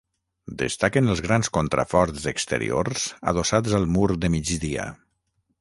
Destaquen els grans contraforts exteriors adossats al mur de migdia.